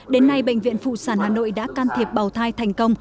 đến nay bệnh viện phụ sản hà nội đã can thiệp bào thai thành công